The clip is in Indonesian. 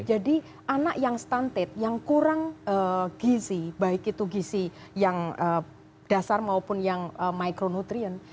jadi anak yang stunted yang kurang gizi baik itu gizi yang dasar maupun yang micronutrient